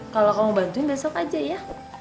kalau kamu bantuin besok aja ya